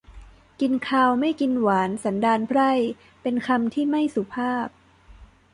กินคาวไม่กินหวานสันดานไพร่ เป็นคำที่ไม่สุภาพ